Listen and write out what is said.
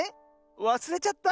わすれちゃった？